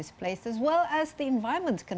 sama juga keadaan yang kehilangan